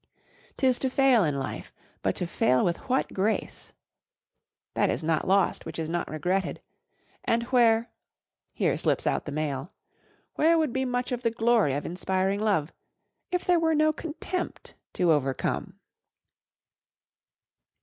'Tis to fail in life, but to fail with what a grace! That is not lost which is not regretted. And where—here slips out the male—where would be much of the glory of inspiring love, if there were no contempt to overcome?